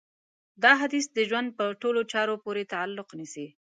دا حديث د ژوند په ټولو چارو پورې تعلق نيسي.